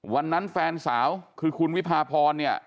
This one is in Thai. แฟนสาวคือคุณวิพาพรเนี่ย